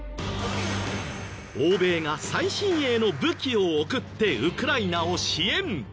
欧米が最新鋭の武器を送ってウクライナを支援。